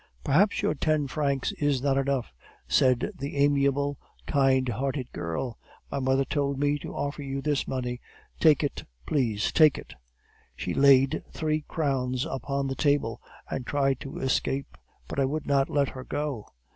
"'Perhaps your ten francs is not enough,' said the amiable, kind hearted girl; 'my mother told me to offer you this money. Take it, please, take it!' "She laid three crowns upon the table, and tried to escape, but I would not let her go.